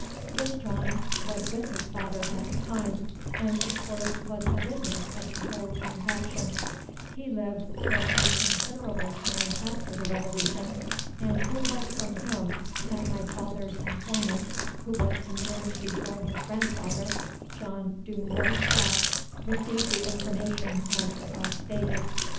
This John was with his father at the time, and of course was a witness of the whole transaction; he lived till a considerable time after the Revolution, and it was from him that my father's informant, who was a man before his grandfather, John dhu Mhor's death, received the information as above stated.